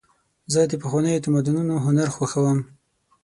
زه د پخوانیو تمدنونو هنر خوښوم.